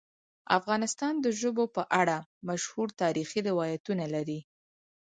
افغانستان د ژبو په اړه مشهور تاریخی روایتونه لري.